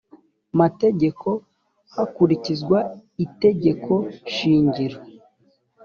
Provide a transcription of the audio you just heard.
mategeko hakurikizwa itegeko shingiro